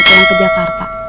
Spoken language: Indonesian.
pulang ke jakarta